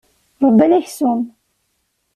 Ṛebban aksum.